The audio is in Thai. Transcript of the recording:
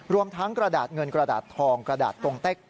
รวมทั้งกระดาษเงินกระดาษทองกระดาษตรงเต็ก